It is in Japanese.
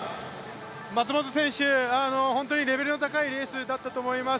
松元選手、本当にレベルの高いレースだったと思います。